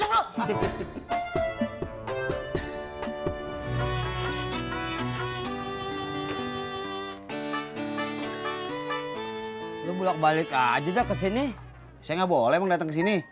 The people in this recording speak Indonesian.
lu bulat balik aja ke sini saya nggak boleh datang sini